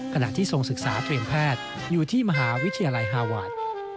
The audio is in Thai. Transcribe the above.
ขณะที่ทรงศึกษาเตรียมแพทย์อยู่ที่มหาวิทยาลัยฮาวาท